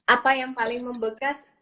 apa yang paling membekas